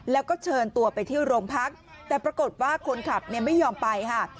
แล้วก็เชิญตัวไปที่โรงพักแต่ปรากฏว่าคนขับไม่ยอมไปค่ะ